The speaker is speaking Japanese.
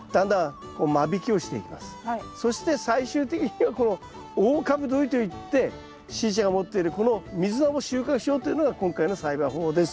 そして最終的にはこの大株どりといってしーちゃんが持っているこのミズナを収穫しようというのが今回の栽培方法です。